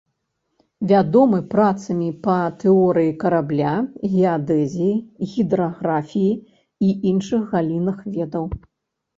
Вядомы працамі па тэорыі карабля, геадэзіі, гідраграфіі і іншых галінах ведаў.